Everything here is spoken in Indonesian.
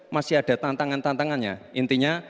masih ada tantangan tantangannya intinya